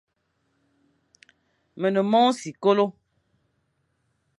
Me ne mong sikolo.